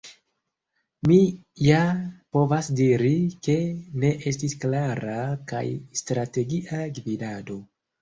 “Mi ja povas diri, ke ne estis klara kaj strategia gvidado.